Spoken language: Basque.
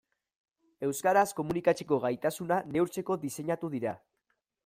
Euskaraz komunikatzeko gaitasuna neurtzeko diseinatu dira.